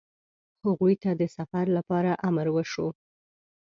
هغوی ته د سفر لپاره امر وشو.